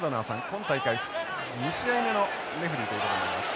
今大会２試合目のレフリーということになります。